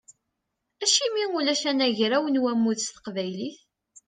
Acimi ulac anagraw n wammud s teqbaylit?